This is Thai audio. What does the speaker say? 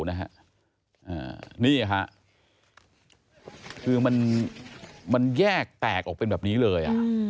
นี่ค่ะคือมันแยกแตกออกเป็นแบบนี้เลย